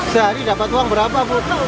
sehari dapat uang berapa